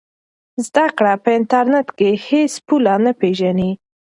زده کړه په انټرنیټ کې هېڅ پوله نه پېژني.